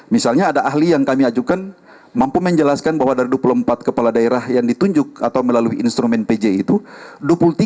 misalnya ada ahli yang kami ajukan mampu menjelaskan bahwa dari dua puluh empat kepala daerah yang ditunjuk atau melalui instrumen pj itu